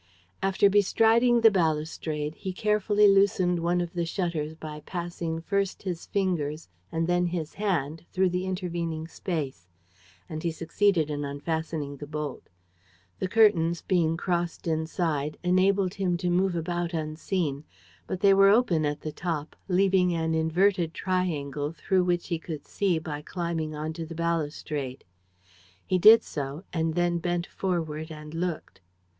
After bestriding the balustrade, he carefully loosened one of the shutters by passing first his fingers and then his hand through the intervening space; and he succeeded in unfastening the bolt. The curtains, being crossed inside, enabled him to move about unseen; but they were open at the top, leaving an inverted triangle through which he could see by climbing on to the balustrade. He did so and then bent forward and looked.